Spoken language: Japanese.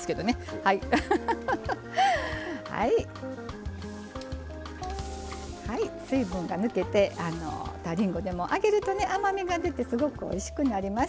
はい水分が抜けたりんごでも揚げるとね甘みが出てすごくおいしくなります。